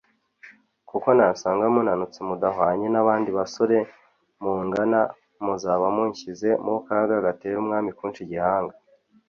kuko nasanga munanutse mudahwanye n’abandi basore mungana, muzaba munshyize mu kaga gatere umwami kunca igihanga